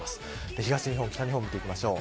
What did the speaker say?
東日本北日本見ていきましょう。